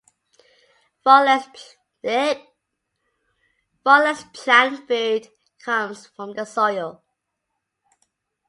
Far less plant food comes from the soil.